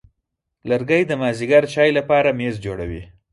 لرګی د مازېګر چای لپاره میز جوړوي.